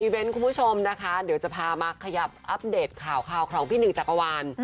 เบนท์คุณผู้ชมนะคะเดี๋ยวจะพามาขยับอัปเดตข่าวของพี่หนึ่งจักรวาล